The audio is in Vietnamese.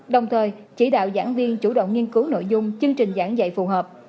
đồng thời chỉ đạo giảng viên chủ động nghiên cứu nội dung chương trình giảng dạy phù hợp